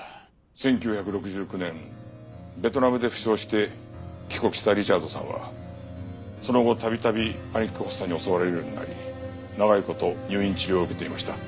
１９６９年ベトナムで負傷して帰国したリチャードさんはその後度々パニック発作に襲われるようになり長い事入院治療を受けていました。